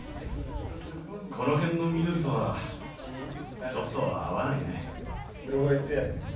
この辺の緑とは、ちょっと合わないね。